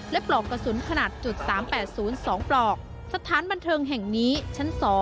และปลอกกระสุนขนาด๓๘๐๒ปลอกสถานบันเทิงแห่งนี้ชั้น๒